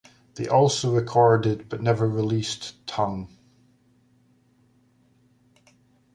They also recorded but never released "Tongue".